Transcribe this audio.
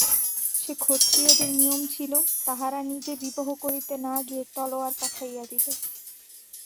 সেই ক্ষত্রিয়দের নিয়ম ছিল, তাহারা নিজে বিবহ করিতে না গিয়া তলোয়ার পাঠাইয়া দিত।